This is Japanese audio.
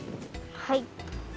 はい。